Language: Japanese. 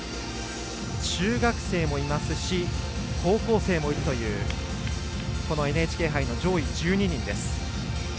中学生もいますし高校生もいるというこのＮＨＫ杯の上位１２人です。